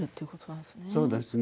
そうですね。